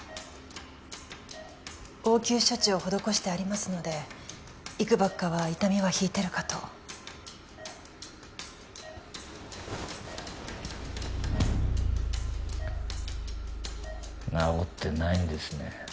応急処置を施してありますのでいくばくかは痛みは引いてるかと治ってないんですね